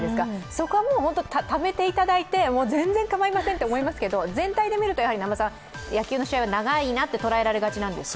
そこはもう、ためていただいて全然かまいませんって思いますけど全体で見ると野球の試合は長いなと捉えられがちなんですか。